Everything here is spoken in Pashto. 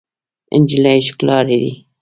نجلۍ ښکلا لري.